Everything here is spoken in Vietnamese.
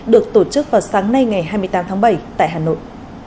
được tổ chức vào sáng nay ngày hai mươi tám tháng bảy tại hà nội